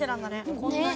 こんなに。